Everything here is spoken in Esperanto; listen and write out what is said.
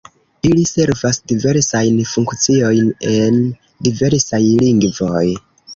Ili servas diversajn funkciojn en diversaj lingvoj.